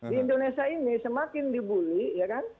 di indonesia ini semakin dibully